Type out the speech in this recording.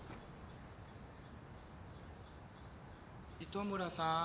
糸村さん。